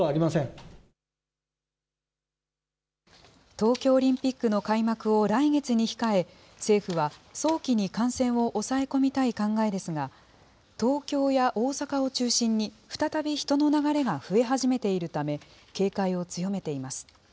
東京オリンピックの開幕を来月に控え、政府は、早期に感染を抑え込みたい考えですが、東京や大阪を中心に、再び人の流れが増え始めているため、警戒を強めています。